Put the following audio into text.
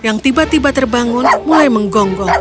yang tiba tiba terbangun mulai menggonggong